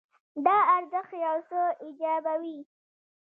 دا ارزښت یو څه ایجابوي.